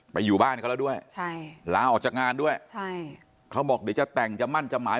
ไปอยู่บ้านเขาแล้วด้วยล้าออกจากงานด้วย